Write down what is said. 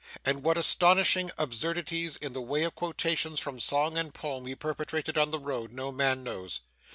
And what astonishing absurdities in the way of quotation from song and poem he perpetrated on the road, no man knows.